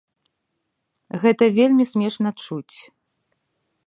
Гэта вельмі смешна чуць.